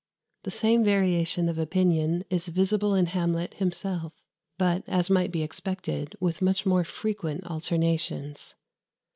] The same variation of opinion is visible in Hamlet himself; but, as might be expected, with much more frequent alternations.